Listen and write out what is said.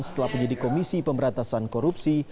setelah penyidik komisi pemberantasan korupsi